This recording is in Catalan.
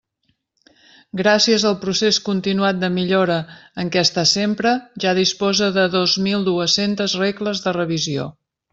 Gràcies al procés continuat de millora en què està sempre, ja disposa de dos mil dues-centes regles de revisió.